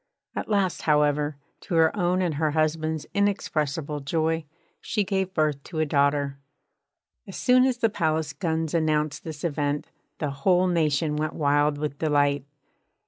At last, however, to her own and her husband's inexpressible joy, she gave birth to a daughter. As soon as the palace guns announced this event, the whole nation went wild with delight.